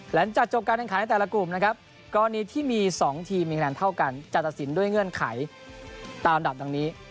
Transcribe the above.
หลังจากจบการแข่งขันในแต่ละกลุ่มนะครับกรณีที่มี๒ทีมมีคะแนนเท่ากันจะตัดสินด้วยเงื่อนไขตามอันดับดังนี้